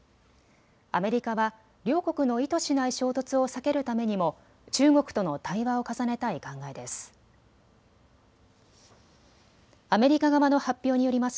アメリカは両国の意図しない衝突を避けるためにも中国との対話を重ねたい考えです。